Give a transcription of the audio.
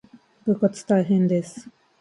部活大変です